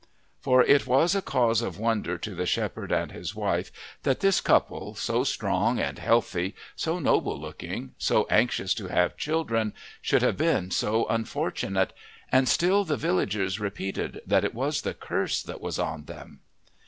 For it was a cause of wonder to the shepherd and his wife that this couple, so strong and healthy, so noble looking, so anxious to have children, should have been so unfortunate, and still the villagers repeated that it was the curse that was on them.